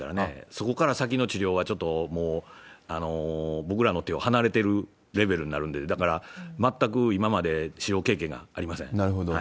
そこから先の治療は、ちょっともう、僕らの手を離れてるレベルになるんで、だから、全く今まで使用経験がありません。